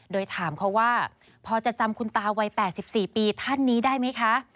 โดยถามเขาว่าพอจะจำคุณตาวัย๘๔ปีท่านนี้ได้ไหมคะ